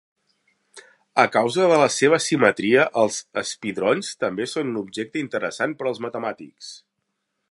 A causa de la seva simetria, els spidrons també són un objecte interessant per als matemàtics.